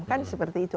kan seperti itu